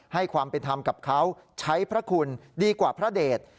ให้ความเป็นธรรมกับเขาใช้พระคุณดีกว่าพระเดช